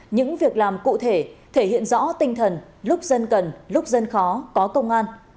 những việc làm cụ thể thể hiện rõ tinh thần lúc dân cần lúc dân khó có công an